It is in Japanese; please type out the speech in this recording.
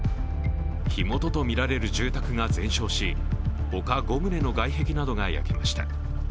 火元とみられる住宅が全焼し、ほか５棟の外壁などが焼けました。